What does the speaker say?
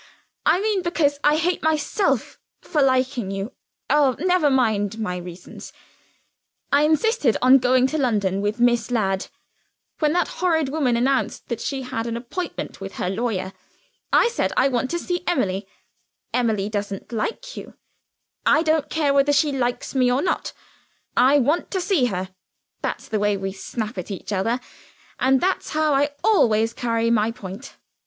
I mean because I hate myself for liking you. Oh, never mind my reasons. I insisted on going to London with Miss Ladd when that horrid woman announced that she had an appointment with her lawyer. I said, 'I want to see Emily.' 'Emily doesn't like you.' 'I don't care whether she likes me or not; I want to see her.' That's the way we snap at each other, and that's how I always carry my point.